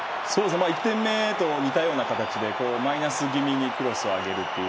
１点目と似たような形でマイナス気味にクロスを上げるという。